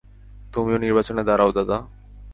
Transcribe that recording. তুমিও নির্বাচনে দাড়াও, দাদা।